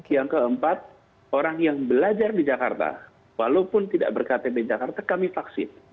yang keempat orang yang belajar di jakarta walaupun tidak berktp jakarta kami vaksin